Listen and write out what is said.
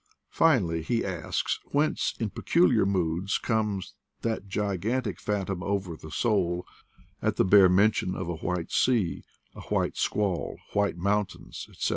Finally, he asks, whence, in peculiar moods, comes that gigantic \ phantom over the soul at the bare mention of a \ White Sea, a White Squall, White Mountains, ^ etc.